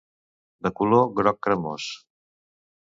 De color groc cremós.